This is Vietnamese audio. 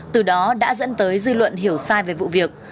từ đó đã dẫn tới dư luận hiểu sai về vụ việc